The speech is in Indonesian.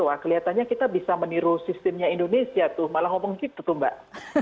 wah kelihatannya kita bisa meniru sistemnya indonesia tuh malah ngomong gitu tuh mbak